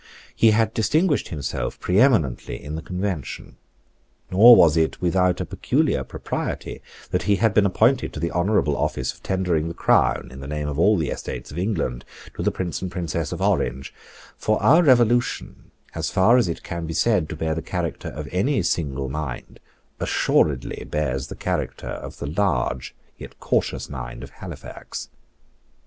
He had distinguished himself preeminently in the Convention: nor was it without a peculiar propriety that he had been appointed to the honourable office of tendering the crown, in the name of all the Estates of England, to the Prince and Princess of Orange; for our Revolution, as far as it can be said to bear the character of any single mind, assuredly bears the character of the large yet cautious mind of Halifax.